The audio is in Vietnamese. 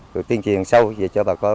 tuyên truyền sâu về cho bà con